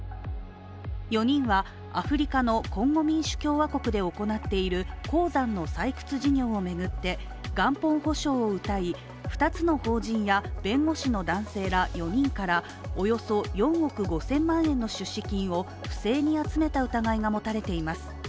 ４人はアフリカのコンゴ民主共和国で行っている鉱山の採掘事業を巡って元本保証をうたい、２つの法人や弁護士の男性ら４人からおよそ４億５０００万円の出資金を不正に集めた疑いが持たれています。